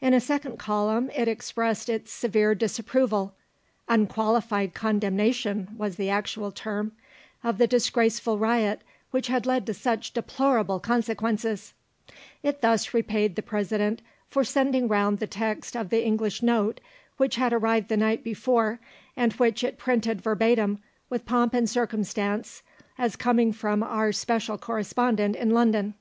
In a second column it expressed its severe disapproval (unqualified condemnation was the actual term) of the disgraceful riot which had led to such deplorable consequences; it thus repaid the President for sending round the text of the English note, which had arrived the night before, and which it printed verbatim with pomp and circumstance as coming from Our Special Correspondent in London.